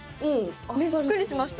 びっくりしました。